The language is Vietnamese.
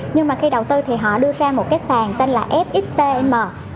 nhưng mà khi đầu tư thì họ đưa ra một cái sàn tên là fxtm